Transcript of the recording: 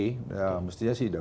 ya mestinya sih